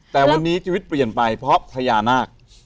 แต่วันนี้ชีวิตเปลี่ยนไปเพราะพญานาค